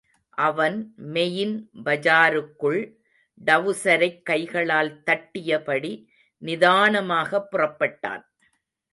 அவன் மெயின் பஜாருக்குள், டவுசரைக் கைகளால் தட்டியபடி, நிதானமாகப் புறப்பட்டான்.